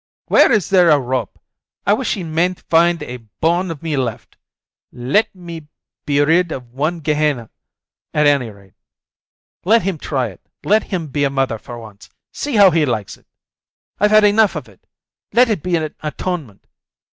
"Where is there a rope? I wish he mayn't find a bone of me left ! Let me be rid of one Gehenna at any rate ! Let him try it, let him be a mother for once, see how he likes it! I've had enough of it! Let it be an atonement